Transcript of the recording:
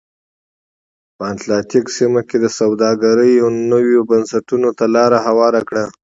په اتلانتیک سیمه کې سوداګرۍ نویو بنسټونو ته لار هواره کړه.